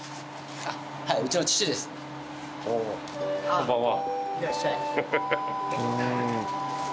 こんばんは。